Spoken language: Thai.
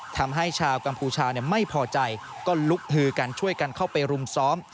ทำให้ชาวกัมพูชาไม่พอใจก็ลุกฮือกันช่วยกันเข้าไปรุมซ้อม